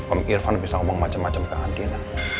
om irfan bisa ngomong macem macem ke andin